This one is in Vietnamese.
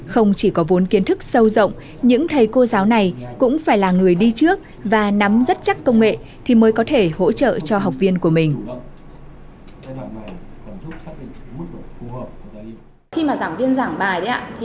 không chỉ có vốn kiến thức sâu rộng những thầy cô giáo này cũng phải là người đi trước và nắm rất chắc công nghệ thì mới có thể hỗ trợ cho học viên của mình